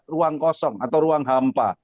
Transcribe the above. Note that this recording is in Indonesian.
ruang kosong atau ruang hampa